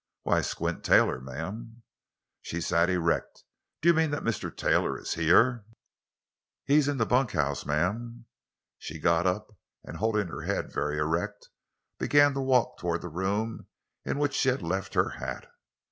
"Why, Squint Taylor, ma'am." She sat erect. "Do you mean that Mr. Taylor is here?" "He's in the bunkhouse, ma'am." She got up, and, holding her head very erect, began to walk toward the room in which she had left her hat.